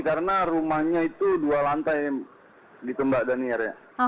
karena rumahnya itu dua lantai gitu mbak danir ya